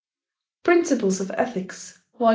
Principles of Ethics, Vol.